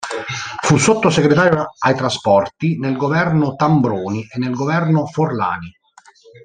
Fu sottosegretario ai trasporti nel governo Tambroni e nel governo Forlani.